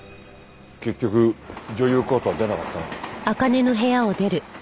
結局女優コートは出なかったな。